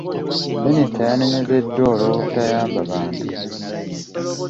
Minisita yanenyezzeddwa olw'obutayamba bantu.